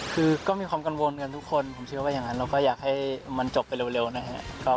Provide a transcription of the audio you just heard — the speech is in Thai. คือก็มีความกังวลกันทุกคนผมเชื่อว่าอย่างนั้นเราก็อยากให้มันจบไปเร็วนะครับ